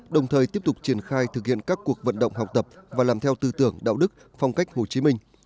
đồng thời tiếp tục triển khai thực hiện các cuộc vận động học tập và làm theo tư tưởng đạo đức phong cách hồ chí minh